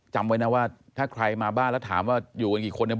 จำไว้นะว่าถ้าใครมาบ้านแล้วถามว่าอยู่กันกี่คนเนี่ย